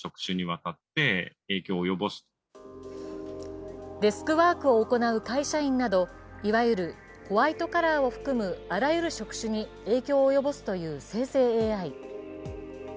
専門家はデスクワークを行う会社員などいわゆるホワイトカラーを含むあらゆる職種に影響を及ぼすという生成ＡＩ。